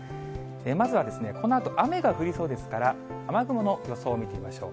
まずはこのあと雨が降りそうですから、雨雲の予想を見てみましょう。